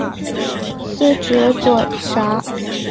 司职左闸。